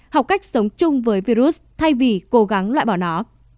học cách sống chung với virus thay vì cố gắng loại bỏ nó